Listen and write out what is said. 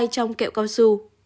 trong kẹo cao su